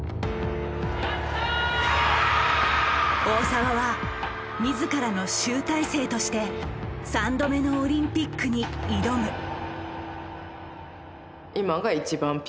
大澤は自らの集大成として３度目のオリンピックに挑む。